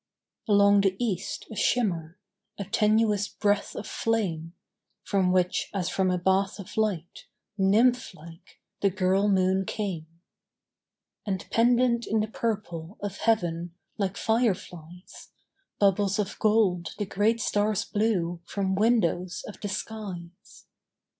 Along the east a shimmer, A tenuous breath of flame, From which, as from a bath of light, Nymph like, the girl moon came. And pendent in the purple Of heaven, like fireflies, Bubbles of gold the great stars blew From windows of the skies.